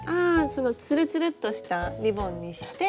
そのつるつるっとしたリボンにして。